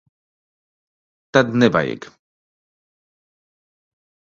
Tad nevajag.